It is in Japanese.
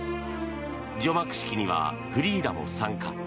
除幕式にはフリーダも参加。